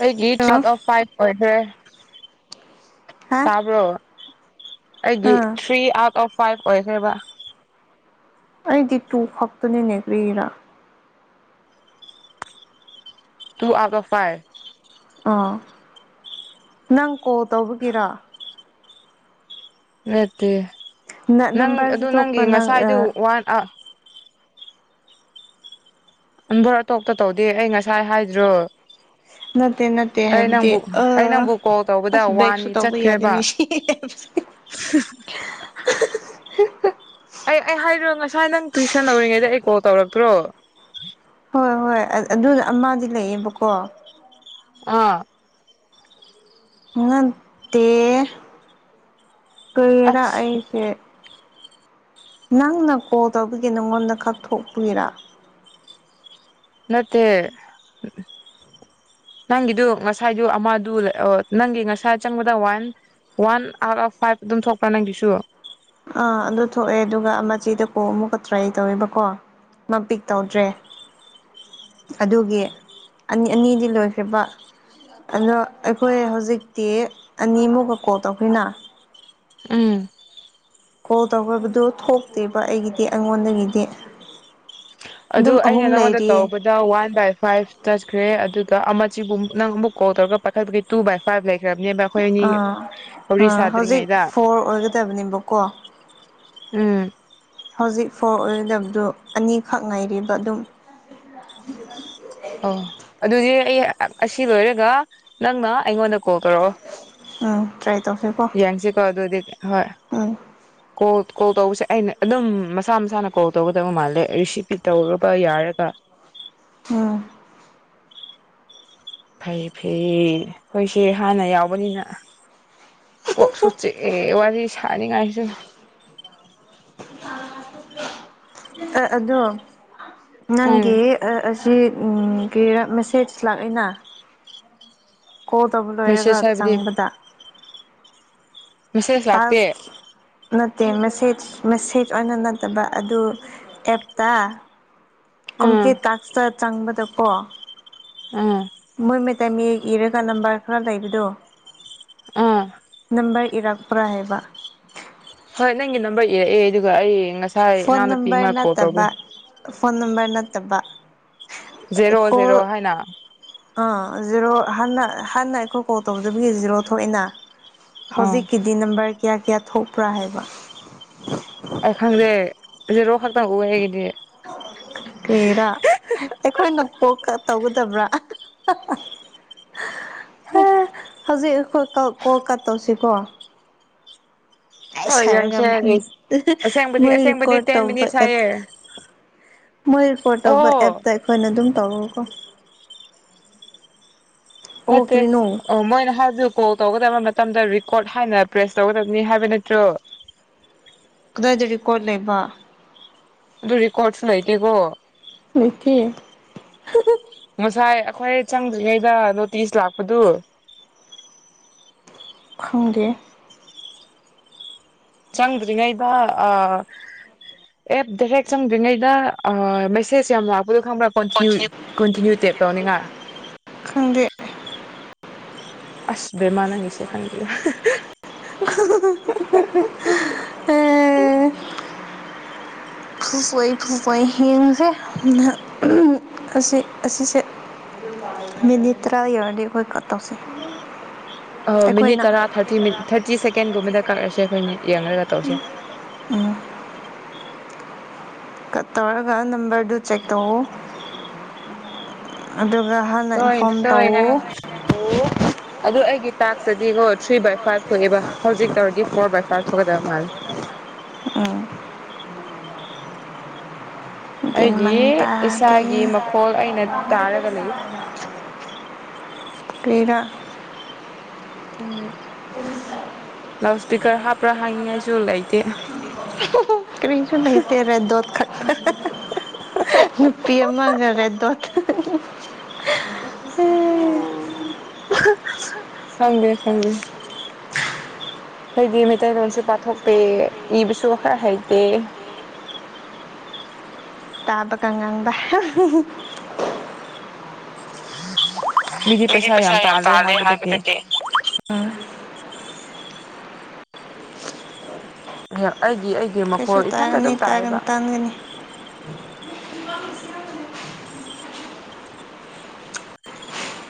ꯑꯩꯒꯤ ꯆꯥꯠ ꯍꯜꯂꯣ ꯑꯣꯐ ꯐꯥꯏꯞ ꯑꯣꯏꯈ꯭ꯔꯦ ꯍꯥ ꯇꯥꯕ꯭ꯔꯣ ꯑꯩꯒꯤ ꯑꯥ ꯊ꯭ꯔꯤ ꯑꯥꯎꯠ ꯑꯣꯐ ꯐꯥꯏꯞ ꯑꯣꯏꯈ꯭ꯔꯦꯕ ꯑꯩꯗꯤ ꯇꯨ ꯈꯛꯇꯅꯤꯅꯦ ꯀꯔꯤꯒꯤꯔ ꯇꯨ ꯑꯥꯎꯠ ꯑꯣꯐ ꯐꯥꯏꯞ ꯑ ꯅꯪ ꯀꯣꯜ ꯇꯧꯕꯒꯤꯔ ꯅꯠꯇꯦ ꯅꯪ ꯅꯝꯕꯔꯁꯨ ꯑꯗꯨ ꯊꯣꯛꯄ ꯅꯪꯒꯤ ꯅꯪ ꯉꯁꯥꯏꯗꯨ ꯋꯥꯟ ꯑ [unintelligible] ꯇꯧꯗꯦ ꯑꯩ ꯉꯁꯥꯏ ꯍꯥꯏꯗ꯭ꯔꯣ ꯅꯠꯇꯦ ꯅꯠ ꯇꯦ ꯑꯩ ꯍꯥꯏꯕꯗꯤ ꯅꯪꯕꯨ ꯑ ꯑꯩ ꯅꯪꯕꯨ ꯀꯣꯜ ꯇꯧꯕꯗ ꯑꯁ ꯕꯦꯛꯁꯨ ꯋꯥꯟꯅꯤ ꯇꯧꯕ ꯆꯠꯈ꯭ꯔꯦꯕ ꯌꯥꯗꯦꯅꯦ ꯁꯤ [unintelligible] [unintelligible] ꯑꯩ ꯑꯩ ꯍꯥꯏꯔꯣ ꯉꯁꯥꯏ ꯅꯪ ꯇꯨꯏꯁꯟ ꯂꯧꯔꯤꯉꯩꯗ ꯑꯩ ꯀꯣꯜ ꯇꯧꯔꯛꯇ꯭ꯔꯣ ꯍꯣꯏ ꯍꯣꯏ ꯑꯗꯨ ꯑꯃꯗꯤ ꯂꯩꯌꯦꯕꯀꯣ ꯑ ꯅꯠꯇꯦ ꯀꯔꯤꯔ ꯑꯁ ꯑꯩꯁꯦ ꯅꯪꯅ ꯀꯣꯜ ꯇꯧꯕꯒꯤ ꯅꯪꯉꯣꯟꯗ ꯈꯛ ꯊꯣꯛꯄꯒꯤꯔ ꯅꯠꯇꯦ ꯅꯪꯒꯤꯗꯨ ꯉꯁꯥꯏꯗꯨ ꯑꯃꯗꯨ ꯑ ꯅꯪꯒꯤ ꯉꯁꯥꯏ ꯆꯪꯕꯗ one one out of five ꯑꯗꯨꯝ ꯊꯣꯛꯄ꯭ꯔ ꯅꯪꯒꯤꯁꯨ ꯑꯥ ꯑꯗꯨ ꯊꯣꯛꯑꯦ ꯑꯗꯨꯒ ꯑꯃ ꯆꯦꯗ ꯀꯣꯜ ꯑꯃꯨꯛꯀ ꯇ꯭ꯔꯥꯏ ꯇꯧꯋꯦꯕꯀꯣ ꯃꯥ ꯄꯤꯛ ꯇꯧꯗ꯭ꯔꯦ ꯑꯗꯨꯒꯤ ꯑꯅꯤ ꯑꯅꯤꯗꯤ ꯂꯣꯏꯈ꯭ꯔꯦꯕ ꯑꯗꯣ ꯑꯩꯈꯣꯏ ꯍꯧꯖꯤꯛꯇꯤ ꯑꯅꯤꯃꯨꯛꯀ ꯀꯣꯜ ꯇꯧꯈ꯭ꯔꯦꯅ ꯎꯝ ꯀꯣꯜ ꯇꯧꯈ꯭ꯔꯕꯗꯣ ꯊꯣꯛꯇꯦꯕ ꯑꯩꯒꯤꯗꯤ ꯑꯩꯉꯣꯟꯗꯒꯤꯗꯤ ꯑꯗꯨ ꯑꯗꯨꯝ ꯑꯩꯅ ꯑꯍꯨꯝ ꯅꯪꯉꯣꯟꯗ ꯂꯩꯔꯤꯌꯦ ꯇꯧꯔꯛꯄ ꯗ ꯋꯥꯟ ꯕꯥꯏ ꯐꯥꯏꯞ ꯆꯠꯈ꯭ꯔꯦ ꯑꯗꯨꯒ ꯑꯃꯆꯤꯕꯨꯝ ꯅꯪ ꯑꯃꯨꯛ ꯀꯣꯜ ꯇꯧꯔꯒ ꯄꯥꯏꯈꯠꯄꯒꯤ ꯇꯨ ꯕꯥꯏ ꯐꯥꯏꯞ ꯂꯩ ꯈ꯭ꯔꯕꯅꯦꯕ ꯑꯩꯈꯣꯏ ꯑꯅꯤ ꯑꯥ ꯋꯥꯔꯤ ꯑꯥ ꯍꯧꯖꯤꯛ ꯁꯥꯗ꯭ꯔꯤꯉꯩꯗ꯫ ꯐꯣꯔ ꯑꯣꯏꯒꯗꯕꯅꯦꯕꯀꯣ ꯎꯝ ꯍꯧꯖꯤꯛ ꯐꯣꯔ ꯑꯣꯏꯒꯗꯕꯗꯨ ꯑꯅꯤꯈꯛ ꯉꯥꯏꯔꯦꯕ ꯑꯗꯨꯝ ꯑꯣ ꯑꯗꯨꯗꯤ ꯑꯩ ꯑ ꯑꯁꯤ ꯂꯣꯏꯔꯒ ꯅꯪꯅ ꯑꯩꯉꯣꯟꯗ ꯀꯣꯜ ꯇꯧꯔꯛꯑꯣ꯫ ꯎꯝ ꯇ꯭ꯔꯦ ꯇꯧꯁꯤꯀꯣ꯫ ꯁꯤꯀꯣ ꯑꯗꯨꯗꯤ ꯍꯣꯏ ꯎꯝ ꯀꯣꯜ ꯀꯣꯜ ꯇꯧꯕꯁꯦ ꯑꯩꯅ ꯑꯗꯨꯝ ꯃꯁꯥ ꯃꯁꯥꯅ ꯀꯣꯜ ꯇꯧꯒꯗꯕ ꯃꯥꯜꯂꯦ ꯔꯤꯁꯤꯞꯄꯤ ꯇꯧꯔꯕ ꯌꯥꯔꯒ꯫ ꯎꯝ ꯐꯩ ꯐꯩꯌꯦ ꯈꯣꯏꯁꯦ ꯍꯥꯟꯅ ꯌꯥꯎꯕꯅꯤꯅ꯫ ꯀꯣꯛꯁꯨ ꯆꯤꯛꯑꯦ ꯋꯥꯔꯤ ꯁꯥꯅꯤꯉꯥꯏꯁꯨ ꯑ ꯑꯗꯣ ꯎꯝ ꯅꯪꯒꯤ ꯑ ꯑꯁꯤ ꯎꯝ ꯑꯪ ꯀꯔꯤꯔꯥ ꯃꯦꯁꯦꯖ ꯂꯥꯛꯑꯦꯅ꯫ ꯀꯣꯜ ꯇꯧꯕ ꯂꯣꯏꯔꯒ ꯃꯦꯁꯦꯖ ꯍꯥꯏꯕꯗꯤ ꯆꯪꯕꯗ꯫ ꯃꯦꯁꯦꯖ ꯂꯥꯛꯇꯦ ꯇꯥꯛꯁ ꯈꯤ ꯅꯠꯇꯦ ꯃꯦꯁꯦꯖ ꯃꯦꯁꯦꯖ ꯑꯣꯏꯅ ꯅꯠꯇꯕ ꯑꯗꯨ ꯑꯦꯞ꯫ ꯑꯥ ꯀꯝꯄ꯭ꯂꯤꯠ ꯇꯥꯛꯁꯇ ꯆꯪꯕꯗꯀꯣ ꯎꯝ ꯃꯣꯏ ꯃꯩꯇꯩ ꯃꯌꯦꯛ ꯏꯔꯒ ꯅꯝꯕꯔ ꯈꯔ ꯂꯩꯕꯗꯣ꯫ ꯑꯥ ꯅꯝꯕꯔ ꯏꯔꯛꯄ꯭ꯔꯥ ꯍꯥꯏꯕ ꯍꯣꯏ ꯅꯪꯒꯤ ꯅꯝꯕꯔ ꯏꯔꯛꯑꯦ ꯑꯗꯨꯒ ꯑꯩ ꯉꯁꯥꯏ ꯐꯣꯟ ꯏꯅꯥꯎꯅꯨꯄꯤ ꯅꯝꯕꯔ ꯑꯃ ꯀꯣꯜ ꯅꯠꯇꯕ ꯇꯧꯕꯩ꯫ ꯐꯣꯟ ꯅꯝꯕꯔ ꯅꯠꯇꯕ ꯖꯦꯔꯣ ꯖꯦꯔꯣ ꯀꯣꯜ ꯍꯥꯏꯅ ꯑꯥ ꯖꯦꯔꯣ ꯍꯥꯅ ꯍꯥꯟꯅ ꯑꯩꯈꯣꯏ ꯀꯣꯜ ꯇꯧꯗꯕꯒꯤ ꯖꯦꯔꯣ ꯊꯣꯛꯏꯅ꯫ ꯑꯥ ꯍꯧꯖꯤꯛꯀꯤꯗꯤ ꯅꯝꯕꯔ ꯀ꯭ꯌꯥ ꯀ꯭ꯌꯥ ꯊꯣꯛꯄ꯭ꯔꯥ ꯍꯥꯏꯕ꯫ ꯑꯩ ꯈꯪꯗꯦ ꯖꯦꯔꯣ ꯈꯛꯇꯥ ꯎꯑꯦ ꯑꯩꯒꯤꯗꯤ꯫ ꯀ꯭ꯔꯤꯔꯥ ꯑꯩꯈꯣꯏꯅ ꯀꯣꯜ ꯀꯠ ꯇꯧꯒꯗꯕ꯭ꯔꯥ [unintelligible] [inaudible] ꯑꯥ ꯍꯧꯖꯤꯛ ꯑꯩꯈꯣꯏ ꯀꯣꯜꯀꯠ ꯇꯧꯁꯤꯀꯣ꯫ ꯑꯥꯏꯁ ꯍꯣꯏ ꯍꯥꯏꯔꯒ ꯌꯦꯡꯁꯦ ꯑꯁꯦꯡꯕꯗꯤ ꯃꯣꯏ ꯑꯁꯦꯡꯕꯗꯤ ꯔꯦꯀꯣꯔꯠ ꯇꯦꯟ ꯇꯧꯕ ꯃꯤꯅꯤꯠꯁ ꯑꯦꯞ ꯍꯥꯏꯌꯦ ꯃꯣꯏ ꯔꯤꯀꯣꯔꯠ ꯇꯧꯕ ꯑꯣ ꯑꯦꯞꯇ ꯑꯩꯈꯣꯏꯅ ꯑꯗꯨꯝ ꯇꯧꯔꯣꯀꯣ꯫ ꯑꯣ ꯅꯠꯇꯦ ꯀꯔꯤꯅꯣ ꯑꯣ ꯃꯣꯏꯅ ꯍꯥꯢꯕꯗꯨ ꯀꯣꯜ ꯇꯧꯒꯗꯕ ꯃꯇꯝꯗ ꯔꯤꯀꯣꯔꯠ ꯍꯥꯏꯅ ꯄ꯭ꯔꯦꯁ ꯇꯧꯒꯗꯝꯅꯤ ꯍꯥꯏꯕ ꯅꯠꯇ꯭ꯔꯣ? ꯀꯗꯥꯏꯗꯥ ꯔꯤꯀꯣꯠ ꯂꯩꯕ꯫ ꯑꯗꯨ ꯔꯤꯀꯣꯔꯠꯁꯨ ꯂꯩꯇꯦꯀꯣ ꯂꯩꯇꯦ ꯉꯁꯥꯏ ꯑꯈꯣꯏ ꯆꯪꯗ꯭ꯔꯤꯉꯩꯗ ꯅꯣꯇꯤꯁ ꯂꯥꯛꯄꯗꯨ ꯈꯪꯗꯦ ꯆꯪꯗ꯭ꯔꯤꯉꯩꯗ ꯑꯥ ꯑꯦꯕꯗꯃꯟ ꯍꯦꯛ ꯆꯪꯗ꯭ꯔꯤꯉꯩꯗ ꯑꯥ ꯃꯦꯁꯦꯁ ꯌꯥꯝ ꯂꯥꯛꯄꯗꯨ ꯈꯪꯕ꯭ꯔꯥ? ꯀꯣꯟꯇꯤꯅ꯭ꯌꯨ ꯀꯣꯟꯇꯤꯅ꯭ꯌꯨ ꯇꯦꯞ ꯇꯧꯅꯤꯡꯉꯥꯏ ꯈꯪꯗꯦ ꯑꯁ ꯕꯦꯃꯥ ꯅꯪꯒꯤꯁꯦ ꯈꯪꯗꯦꯗ [unintelligible] ꯑꯦ ꯐꯨꯂꯦ ꯐꯨꯁꯂꯦ ꯍꯦꯡꯁꯦ ꯑꯁꯤ ꯑꯁꯤꯁꯦ ꯃꯤꯅꯤꯠ ꯇꯔꯥ ꯌꯧꯔꯗꯤ ꯑꯈꯣꯏ ꯀꯠ ꯇꯧꯁꯦ ꯑ ꯥꯃꯤꯅꯤꯠ ꯑꯩꯈꯣꯏꯅ ꯇꯔꯥ ꯊꯥꯔꯇꯤ ꯃꯤꯅꯤꯠ ꯊꯥꯔꯇꯤ ꯁꯦꯀꯦꯟꯒꯨꯝꯕꯗ ꯀꯛꯂꯁꯦ ꯑꯈꯣꯏꯅꯤ ꯌꯦꯡꯅꯔꯒ ꯎꯝ ꯀꯠ ꯇꯧꯔꯒ ꯅꯝꯕꯔꯗꯨ ꯆꯦꯛ ꯇꯧꯑꯣ ꯑꯗꯨꯒ ꯍꯥꯟꯅ ꯇꯣꯏꯅ ꯏꯟꯐꯣꯔꯝ ꯇꯧ ꯇꯣꯏꯅ ꯑꯣ ꯑꯗꯨ ꯑꯩꯒꯤ ꯇꯥꯛꯁꯇꯗꯤꯀꯣ ꯊ꯭ꯔꯤ ꯕꯥꯏ ꯐꯥꯏꯚ ꯊꯣꯛꯑꯦꯕ ꯍꯧꯖꯤꯛ ꯇꯧꯔꯗꯤ ꯐꯣꯔ ꯕꯥꯏ ꯐꯥꯏꯚ ꯊꯣꯛꯀꯗꯕ ꯃꯥꯜꯂꯤ ꯎꯝ ꯒ꯭ꯌꯥꯟ ꯑꯩꯒꯤ ꯃꯟ ꯇꯥꯗꯦ ꯏꯁꯥꯒꯤ ꯃꯈꯣꯜ ꯑꯩꯅ ꯇꯥꯔꯒ ꯂꯩ ꯀꯩꯔꯥ ꯂꯥꯎꯠ ꯏꯁ꯭ꯄꯤꯀꯔ ꯍꯥꯞꯄ꯭ꯔꯥ ꯍꯥꯏꯅꯤꯡꯉꯥꯏꯁꯨ ꯂꯩꯇꯦ ꯀꯔꯤꯁꯨ ꯂꯩꯇꯦ ꯔꯦꯗ ꯗꯣꯠ ꯈꯛ ꯅꯨꯄꯤ ꯑꯃꯒ ꯔꯦꯗ ꯗꯣꯠ [unintelligible] ꯈꯪꯗꯦ ꯈꯪꯗꯦ ꯑꯩꯗꯤ ꯃꯩꯇꯩꯂꯣꯟꯁꯨ ꯄꯥꯊꯣꯛꯇꯦ ꯏꯕꯁꯨ ꯈꯔ ꯍꯩꯇꯦ ꯇꯥꯕꯒ ꯉꯥꯡꯕ ꯃꯤꯗꯤ ꯄꯩꯁꯥ ꯌꯥꯝ ꯇꯥꯜꯂꯦ ꯍꯥꯏꯕꯗꯒꯤ ꯑꯦ ꯑꯩꯒꯤ ꯑꯩꯒꯤ ꯀꯩꯁꯨ ꯃꯈꯣꯜ ꯏꯊꯟꯇ ꯇꯥꯒꯅꯤ ꯑꯗꯨꯝ ꯇꯥꯢꯑꯕ ꯇꯥꯒꯅꯤ ꯇꯥꯟꯒꯅꯤ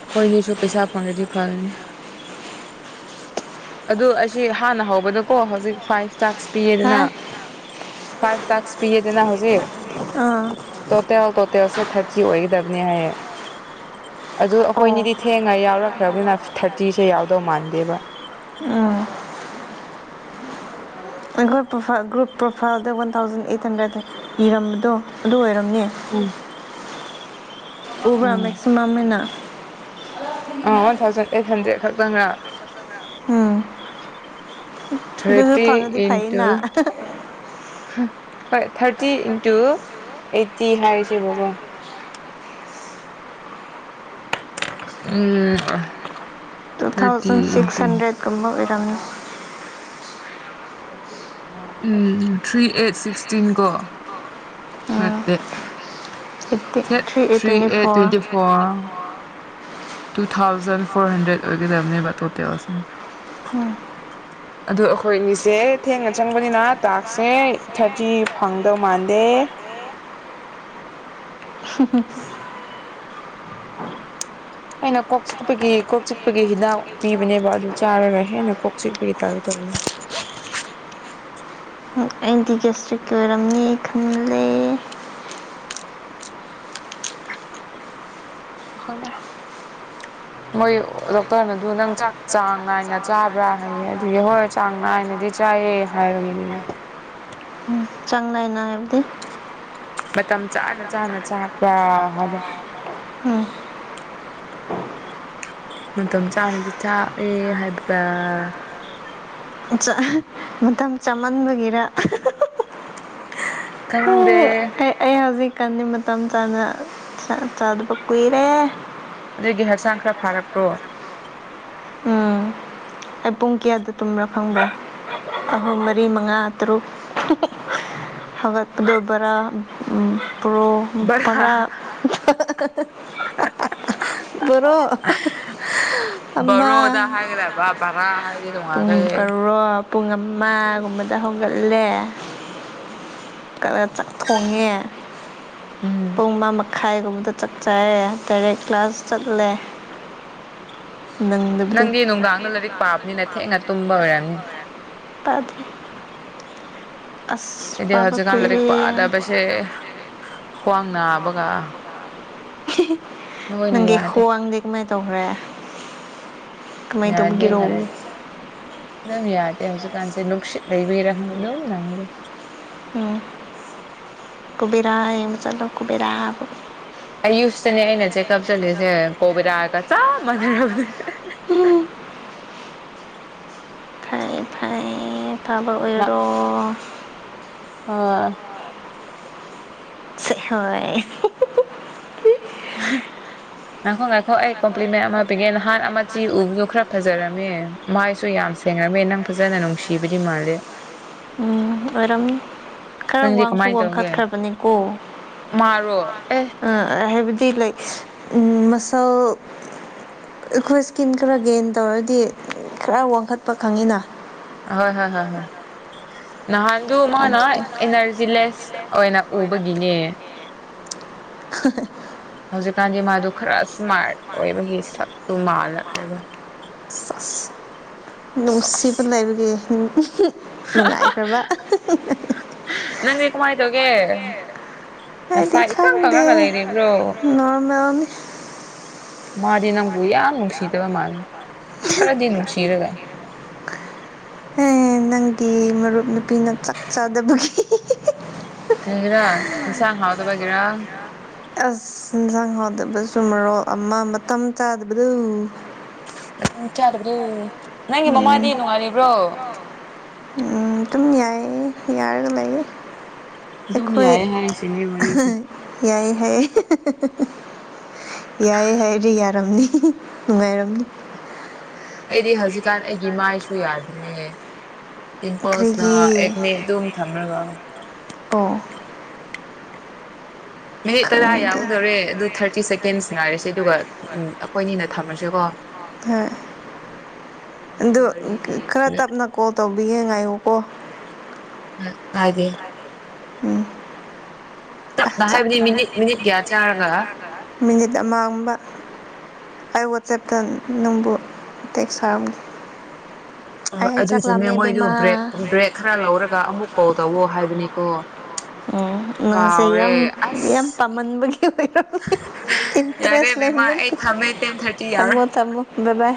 ꯑꯈꯣꯏꯅꯤꯁꯨ ꯄꯩꯁꯥ ꯐꯪꯂꯗꯤ ꯐꯅꯤ ꯑꯗꯨ ꯑꯁꯤ ꯍꯥꯟꯅ ꯍꯧꯕꯗꯀꯣ ꯍꯧꯖꯤꯛ ꯐꯥꯏꯚ ꯇꯥꯛꯁ ꯍꯥ ꯄꯤꯌꯦꯗꯅ ꯐꯥꯏꯚ ꯇꯥꯛꯁ ꯄꯤꯌꯦꯗꯅ ꯍꯧꯖꯤꯛ ꯑꯥ ꯇꯣꯇꯦꯜ ꯇꯣꯇꯦꯜꯁꯦ ꯊꯥꯔꯇꯤ ꯑꯣꯏꯒꯗꯝꯅꯤ ꯍꯥꯏꯌꯦ ꯑꯗꯨ ꯑꯣ ꯑꯈꯣꯏꯅꯤꯗꯤ ꯊꯦꯡꯅ ꯌꯥꯎꯔꯛꯈ꯭ꯔꯕꯅꯤꯅ ꯊꯥꯔꯇꯤꯁꯦ ꯌꯎꯗꯧ ꯃꯥꯟꯗꯦꯕ ꯑꯥ ꯒ꯭ꯔꯨꯞ ꯄ꯭ꯔꯣꯐꯥꯏꯜ ꯒ꯭ꯔꯨꯞ ꯄ꯭ꯔꯣꯐꯥꯏꯜꯗ ꯋꯥꯟ ꯊꯥꯎꯖꯟ ꯑꯩꯠ ꯍꯟꯗ꯭ꯔꯦꯗ ꯏꯔꯝꯕꯗꯣ ꯑꯗꯨ ꯑꯣꯏꯔꯝꯅꯤ ꯎꯝ ꯎꯕ꯭ꯔꯥ ꯎꯝ ꯃꯦꯛꯁꯤꯃꯝ ꯑꯩꯅ ꯑꯥ ꯋꯥꯟ ꯊꯥꯎꯖꯟ ꯑꯩꯠ ꯍꯟꯗ꯭ꯔꯦꯠ ꯈꯛꯇꯪꯔ ꯎꯝ ꯑꯗꯨꯁꯨ ꯊ꯭ꯥꯔꯇꯤ ꯐꯪꯉꯗꯤ ꯏꯟꯇꯨ ꯐꯩꯌꯦꯅ ꯍꯣꯏ ꯊ꯭ꯥꯔꯇꯤ ꯏꯟꯇꯨ ꯑꯩꯠꯇꯤ ꯍꯥꯏꯔꯁꯦꯕꯀꯣ ꯎꯝ ꯑꯥ ꯇꯨ ꯊꯥꯎꯖꯟ ꯁꯤꯛꯁ ꯍꯟꯗ꯭ꯔꯦꯠ ꯀꯨꯝꯕ ꯑꯣꯏꯔꯝꯅꯤ ꯎꯝ ꯊ꯭ꯔꯤ ꯑꯩꯠ ꯁꯤꯛꯁꯇꯤꯟ ꯀꯣ ꯅꯠꯇꯦ ꯑꯦꯠꯇꯦ ꯊ꯭ꯔꯤ ꯑꯩꯠ ꯇ꯭ꯋꯦꯟꯇꯤ ꯐꯣꯔ ꯑꯣ ꯇꯨ ꯊꯥꯎꯖꯟ ꯐꯣꯔ ꯍꯟꯗ꯭ꯔꯦꯠ ꯑꯣꯏꯒꯗꯝꯅꯦꯕ ꯇꯣꯇꯦꯜꯁꯦ ꯎꯝ ꯑꯗꯨ ꯑꯩꯈꯣꯏ ꯑꯅꯤꯁꯦ ꯊꯦꯡꯅ ꯆꯪꯕꯅꯤꯅ ꯇꯥꯛꯁꯦ ꯊ꯭ꯥꯔꯇꯤ ꯐꯪꯗꯧ ꯃꯥꯟꯗꯦ ꯍꯥꯍꯥ ꯑꯩꯅ ꯀꯣꯛ ꯆꯤꯛꯄꯒꯤ ꯀꯣꯛ ꯆꯤꯛꯄꯒꯤ ꯍꯤꯗꯥꯛ ꯄꯤꯕꯅꯦꯕ ꯑꯗꯨ ꯆꯥꯔꯒ ꯍꯦꯟꯅ ꯀꯣꯛ ꯆꯤꯛꯄꯒꯤ ꯇꯥꯞ ꯇꯧꯔꯦ ꯑꯦꯟꯇꯤ ꯒꯦꯁꯇ꯭ꯔꯤꯛꯀꯤ ꯑꯣꯏꯔꯝꯅꯤ ꯈꯪꯂꯦ ꯈꯪꯂꯦ ꯃꯣꯏ ꯂꯣꯛꯇꯔꯅꯗꯨ ꯅꯪ ꯆꯥꯛ ꯆꯥꯡꯅꯥꯏꯅ ꯆꯥꯕ꯭ꯔꯥ ꯍꯥꯏꯌꯦ ꯑꯗꯨꯒꯤ ꯍꯣꯏ ꯆꯥꯡ ꯅꯥꯏꯅꯗꯤ ꯆꯥꯏꯌꯦ ꯍꯥꯏꯔꯕꯅꯦ ꯎꯝ ꯆꯥꯡ ꯅꯥꯏꯅ ꯍꯥꯏꯕꯗꯤ ꯃꯇꯝ ꯆꯥꯅ ꯆꯥꯅ ꯆꯥꯛꯄ꯭ꯔꯥ ꯍꯥꯏꯕ ꯎꯝ ꯃꯇꯝ ꯆꯥꯅꯗꯤ ꯆꯥ ꯑꯦ ꯍꯥꯏꯕꯥ ꯑꯟꯆꯥꯍ ꯃꯇꯝ ꯆꯥꯃꯟꯕꯒꯤꯔ ꯈꯪꯗꯦ ꯑꯦ ꯑꯩ ꯍꯧꯖꯤꯛꯀꯥꯟꯗꯤ ꯃꯇꯝ ꯆꯥꯅ ꯆꯥ ꯆꯥꯗꯕ ꯀꯨꯏꯔꯦ ꯑꯗꯨꯗꯤ ꯍꯛꯆꯥꯡ ꯈꯔ ꯐꯥꯔꯛꯄ꯭ꯔꯣ ꯎꯝ ꯑꯩ ꯄꯨꯡ ꯀꯌꯥꯗ ꯇꯨꯝꯕ꯭ꯔꯥ ꯈꯪꯕ꯭ꯔꯥ ꯑꯍꯨꯝ ꯃꯔꯤ ꯃꯉꯥ ꯇꯔꯨꯛ ꯍꯧꯒꯠꯄꯗꯣ ꯕꯔꯥ ꯎꯝ ꯄ꯭ꯔꯣ ꯎꯝ ꯕꯔꯥ ꯄꯔꯥ [unintelligible] ꯕ‌ꯣꯔ‌ꯣ ꯎꯃꯥ ꯕꯔꯣꯗ ꯍꯥꯏꯒꯗꯕ ꯕꯔꯥ ꯍꯥꯏꯗꯤ ꯇꯣꯡꯉꯥꯟꯈ꯭ꯔꯦ ꯄꯨꯡ ꯄꯔꯣ ꯄꯨꯡ ꯑꯃꯥꯒꯨꯝꯕꯗ ꯍꯧꯒꯠꯂꯦ ꯀꯔ ꯆꯥꯛ ꯊꯣꯡꯉꯦ ꯎꯝ ꯑꯃꯥ ꯃꯈꯥꯏꯒꯨꯝꯕꯗ ꯆꯥꯛ ꯆꯥꯌꯦ ꯇꯔꯦꯠ ꯀ꯭ꯂꯥꯁ ꯆꯠꯂꯦ ꯅꯪꯗꯕꯗꯨ ꯅꯪꯗꯤ ꯅꯨꯡꯗꯥꯡꯗ ꯂꯥꯔꯤꯛ ꯄꯥꯕꯅꯤꯅ ꯊꯦꯡꯅ ꯇꯨꯝꯕ ꯑꯣꯏꯔꯝꯅꯤ ꯇꯥꯗꯦ ꯑꯩꯗꯤ ꯄꯥꯕ ꯍꯧꯖꯤꯛꯀꯥꯟ ꯂꯥꯔꯤꯛ ꯀꯨꯏꯔꯦ ꯄꯥꯗꯕꯁꯦ ꯈ꯭ꯋꯥꯡ ꯅꯥꯕꯒ ꯅꯣꯏꯅ ꯅꯪꯒꯤ ꯌꯥꯗꯦ ꯈꯣꯋꯥꯡꯗꯤ ꯀꯃꯥꯏ ꯇꯧꯈ꯭ꯔꯦ ꯀꯃꯥꯏ ꯌꯥꯗꯤ ꯇꯧꯕꯒꯤꯔꯣ ꯅꯥꯏ ꯑꯗꯨꯝ ꯌꯥꯗꯦ ꯍꯧꯖꯤꯛ ꯀꯥꯟꯁꯦ ꯅꯨꯡꯁꯤꯠ ꯂꯩꯕꯒꯤꯔꯈꯪ ꯗꯨꯝ ꯅꯥꯌꯦꯕ ꯎꯝ ꯀꯨꯕꯦꯔꯥ ꯌꯦꯡꯕ ꯆꯜꯂꯣ ꯀꯨꯕ‌ꯦꯔꯥ ꯑꯌꯨꯁꯇꯅꯦ ꯑꯩꯅ ꯆꯦꯛꯀꯞ ꯆꯠꯂꯤꯁꯦ ꯀꯣꯕꯦꯔꯥꯒ ꯆꯞ ꯃꯥꯟꯅꯔꯕꯅꯦ [unintelligible] ꯊꯥꯕ ꯑꯣꯏꯔꯣ ꯍꯣ ꯁ‌ꯦ ꯍꯣꯏ [unintelligible] ꯉꯥꯏꯈꯣ ꯉꯥꯏꯈꯣ ꯑꯩ ꯀꯣꯝꯄ꯭ꯂꯤꯃꯦ ꯑꯃꯥ ꯄꯤꯒꯦ ꯅꯍꯥꯟ ꯑꯃꯥ ꯆꯤ ꯎꯕꯗꯨ ꯈꯔ ꯐꯖꯔꯝꯃꯦ ꯃꯥꯏꯁꯨ ꯌꯥꯝ ꯁꯦꯡꯔꯝꯃꯦ ꯅꯪ ꯐꯖꯅ ꯅꯨꯡꯁꯤꯕꯗꯤ ꯃꯥꯜꯂꯦ ꯎꯝ ꯑꯣꯏꯔꯝꯅꯤ ꯈꯔ ꯅꯪꯗꯤ ꯋꯥꯡꯁꯨ ꯀꯃꯥꯏꯅ ꯇꯧꯒꯦ ꯋꯥꯡꯈꯠꯈ꯭ꯔꯕꯅꯤꯀꯣ ꯃꯥꯔꯣ ꯑꯦ ꯑ ꯍꯥꯏꯕꯗꯤ ꯂꯥꯏꯛ ꯎꯝ ꯃꯁꯜ ꯑꯩꯈꯣꯏ ꯁ꯭ꯀꯤꯟ ꯈꯔ ꯒꯦꯟ ꯇꯧꯔꯗꯤ ꯈꯔ ꯋꯥꯡꯈꯠꯄ ꯈꯪꯉꯤꯅ ꯍꯣꯏ ꯍꯣꯏ ꯍꯣꯏ ꯍꯣꯏ ꯅꯍꯥꯟꯗꯨ ꯃꯥꯅ ꯑꯗꯨꯗꯣ ꯏꯅꯔꯖꯤꯂꯦꯁ ꯑꯣꯏꯅ ꯎꯕꯒꯤꯅꯦ [unintelligible] ꯍꯧꯖꯤꯛꯀꯥꯟꯗꯤ ꯃꯥꯗꯨ ꯈꯔ ꯁ꯭ꯃꯥꯔꯠ ꯑꯣꯏꯕꯒꯤ ꯁꯛꯇꯨ ꯃꯥꯜꯂꯛꯈ꯭ꯔꯦꯕ ꯁꯁ ꯅꯨꯡꯁꯤꯕ ꯁꯁ ꯂꯩꯕꯒꯤ ꯅꯨꯡꯉꯥꯏꯈ꯭ꯔꯕ ꯅꯪꯗꯤ ꯀꯃꯥꯏ ꯇꯧꯒꯦ ꯅꯁꯥ ꯑꯩꯗꯤ ꯏꯀꯪ ꯈꯪꯗꯦ ꯀꯪꯉꯒ ꯂꯩꯔꯤꯕ꯭ꯔꯣ ꯅꯣꯔꯃꯦꯜꯅꯤ ꯃꯥꯗꯤ ꯅꯪꯕꯨ ꯌꯥꯝ ꯅꯨꯡꯁꯤꯗꯕ ꯃꯥꯟ ꯈꯔꯗꯤ ꯅꯨꯡꯁꯤꯔꯒ ꯑꯦ ꯅꯪꯒꯤ ꯃꯔꯨꯞ ꯅꯨꯄꯤꯅ ꯆꯥꯛ ꯆꯥꯗꯕꯒꯤ ꯀꯩꯒꯤꯔꯥ ꯏꯟꯁꯥꯡ ꯍꯥꯎꯇꯕꯒꯤꯔꯥ ꯑꯁ ꯍꯦꯟꯁꯥꯡ ꯍꯥꯥꯎꯇꯕꯁꯨꯨ ꯃꯔꯣꯜ ꯑꯃ ꯃꯇꯝ ꯆꯥꯗꯕꯗꯨ ꯅꯪ ꯆꯥꯗꯕꯗꯨ ꯅꯪꯒꯤ ꯅꯃꯥꯗꯤ ꯅꯨꯡꯉꯥꯏꯔꯤꯕ꯭ꯔꯣ ꯎꯝ ꯇꯨꯝ ꯌꯥꯏꯌꯦ ꯌꯥꯔꯒ ꯂꯩꯌꯦ ꯏꯗꯨꯝ ꯌꯥꯏ ꯍꯥꯏꯔꯤꯁꯤꯅꯦ ꯋꯥꯔꯤꯁꯦ ꯌꯥꯏꯌꯦ ꯍꯥꯏꯌꯦ [unintelligible] ꯌꯥꯏꯌꯦ ꯍꯥꯏꯔꯤ ꯌꯥꯔꯝꯅꯤ ꯅꯨꯡꯉꯥꯏꯔꯝꯅꯤ ꯑꯩꯗꯤ ꯍꯧꯖꯤꯛꯀꯥꯟ ꯑꯩꯒꯤ ꯃꯥꯏꯁꯨ ꯌꯥꯗ꯭ꯔꯤꯌꯦ ꯄꯤꯝꯄꯜꯁꯅ ꯀꯔꯤꯒꯤ ꯑꯦꯛꯅꯤ ꯑꯗꯨꯝ ꯊꯝꯔꯒ ꯑꯣ ꯃꯤꯅꯤꯠ ꯇꯔꯥ ꯈꯪꯗꯦ ꯌꯥꯎꯒꯗꯣꯔꯦ ꯑꯗꯨ ꯊꯥꯔꯇꯤ ꯁꯦꯀꯦꯟꯁ ꯉꯥꯏꯔꯁꯦ ꯑꯗꯨꯒ ꯎꯝ ꯑꯈꯣꯏꯅꯤꯅ ꯊꯝꯃꯁꯦꯀꯣ ꯍꯣꯏ ꯑꯍꯨꯝ ꯑꯗꯨ ꯃꯔꯤꯗꯤ ꯈꯔ ꯇꯞꯅ ꯀꯣꯜ ꯇꯧꯕꯤꯒꯦ ꯉꯥꯏꯉꯨꯀꯣ ꯑ ꯉꯏꯒꯦ ꯎꯝ ꯑꯥ ꯅꯥ ꯆꯥꯛ ꯍꯥꯏꯕꯗꯤ ꯃꯤꯅꯤꯠ ꯃꯤꯅꯤꯠ ꯀꯌꯥ ꯆꯥꯔꯒ ꯃꯤꯅꯤꯠ ꯑꯃꯥꯒꯨꯝꯕ ꯑꯩ ꯋꯥꯆꯦꯞꯇ ꯅꯪꯕꯨ ꯇꯦꯀ꯭ꯁ ꯊꯥꯔꯝ ꯍꯣ ꯍꯣꯏ ꯑꯗꯨ ꯆꯨꯝꯃꯦ ꯃꯣꯏꯗꯨ ꯕ꯭ꯔꯦꯛ ꯕ꯭ꯔꯦꯛ ꯈꯔ ꯂꯧꯔꯒ ꯑꯃꯨꯛ ꯀꯣꯜ ꯇꯧꯋꯣ ꯍꯥꯏꯕꯅꯤꯀꯣ ꯎꯝ ꯅꯪꯁꯦ ꯀꯥꯎꯔꯦ ꯌꯥꯝ ꯌꯥꯝ ꯑꯁ ꯄꯥꯝꯃꯟꯕꯒꯤ [unintelligible] ꯌꯥꯔꯦ ꯇꯦꯔꯦꯁ ꯂꯩ ꯕꯦꯝꯃ ꯑꯩ ꯊꯝꯃꯦ ꯇꯦꯟ ꯊꯥꯔꯇꯤ [unintelligible] ꯌꯥꯎꯔꯦ ꯊꯝꯃꯣ ꯇꯝꯃꯣ ꯕꯕꯥꯏ